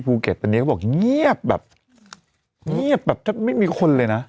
ภูเก็ตตอนนี้เขาบอกเงียบแบบเงียบแบบแทบไม่มีคนเลยนะ